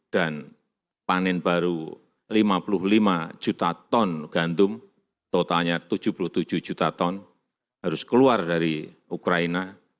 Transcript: dan panen baru lima puluh lima juta ton gandum totalnya tujuh puluh tujuh juta ton harus keluar dari ukraina